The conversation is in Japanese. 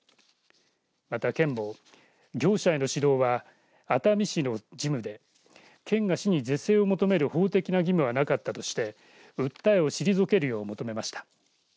また、県も業者への指導は、熱海市の義務で県が市に是正を求める法的な義務は、なかったとして訴えを退けるよう求めました。